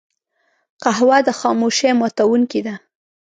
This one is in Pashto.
قهوه د خاموشۍ ماتونکی دی